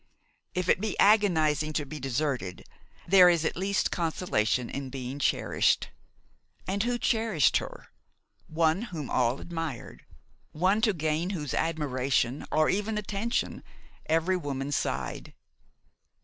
If it be agonising to be deserted, there is at least consolation in being cherished. And who cherished her? One whom all admired; one to gain whose admiration, or even attention, every woman sighed.